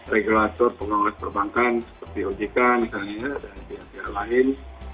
regulator pengawas perbankan seperti ojk misalnya dan pihak pihak lain